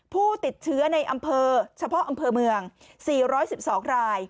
ผู้ติดเชื้อในอำเภอเฉพาะอำเภอเมือง๔๑๒ราย